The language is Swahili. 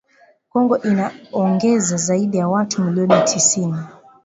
Kongo inaongeza zaidi ya watu milioni tisini